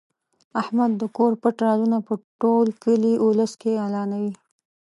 احمد د کور پټ رازونه په ټول کلي اولس کې اعلانوي.